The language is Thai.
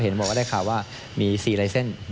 บอกว่าได้ข่าวว่ามี๔ลายเส้น